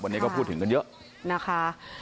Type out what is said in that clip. วันนี้ก็พูดถึงกันเยอะนะคะ